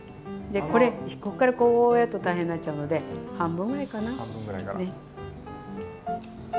これこっからこうやると大変になっちゃうので半分ぐらいかな。